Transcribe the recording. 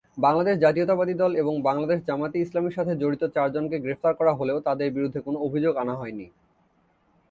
বাংলাদেশ জাতীয়তাবাদী দল এবং বাংলাদেশ জামায়াতে ইসলামীর সাথে জড়িত চারজনকে গ্রেফতার করা হলেও তাদের বিরুদ্ধে কোনো অভিযোগ আনা হয়নি।